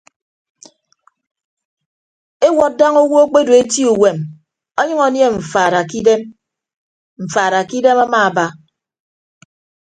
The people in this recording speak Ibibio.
Ewọd daña owo akpedu eti uwem ọnyʌñ anie mfaada kidem mfaada kidem amaaba.